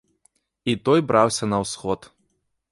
І той браўся на ўсход.